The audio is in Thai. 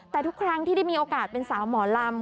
แต่ทุกครั้งที่ได้มีโอกาสเป็นสาวหมอลำ